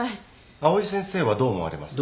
藍井先生はどう思われますか？